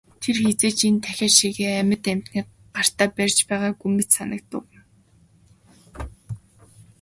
Тэр хэзээ ч энэ тахиа шигээ амьд амьтныг гартаа барьж байгаагүй мэт санав.